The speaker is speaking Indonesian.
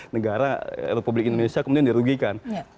negara republik indonesia kemudian dirugikan